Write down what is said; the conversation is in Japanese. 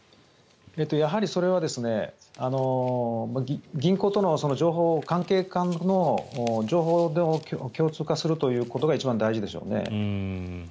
それは銀行との情報関係間との情報を共通化することが一番大事でしょうね。